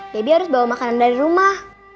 harus bawa makanan dari rumah